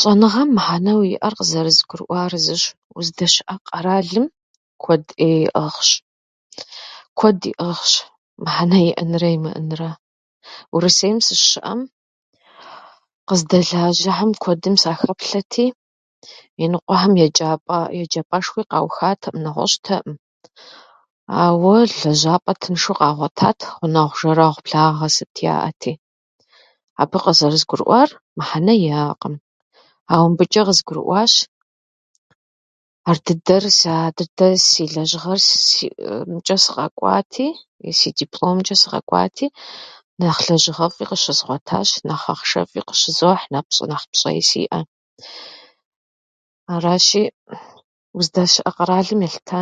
Щӏэныгъэм мыхьэнэу иӏэр къызэрызгурыӏуар зыщ: уздэщыӏэ къэралым куэд ӏей иӏыгъщ, куэд иӏыгъщ мыхьэнэ иӏэнрэ имыӏэнрэ. Урысейм сыщыщыӏэм, къэздэлажьэхьэм куэдым сахэплъэти, иныкъуэхэм еджапӏэ- еджапӏэшхуи къаухатэӏым, нэгъуэщӏтэӏым, ауэ лэжьапӏэ тыншу къагъуэтат, гъунэгъу-жэрэгъу, благъэ сыт яӏэти. Абы къызэрызгурыӏуэр мыхьэнэ иӏэкъым. Ауэ мыбычӏэ къызгурыӏуащ ар дыдэр- сэ ар дыдэр си лэжьыгъэр си [unintelligible] сыкъэкӏуати, си дипломчӏэ сыкъэкӏуати, нэхъ лэжьыгъэфӏи къыщызгъуэтащ, нэхъ ахъшэфӏи къыщызохь, нэхъ пщӏ- нэхъ пщӏэи сиӏэ. Аращи, уздэщыӏэ къэралым елъыта.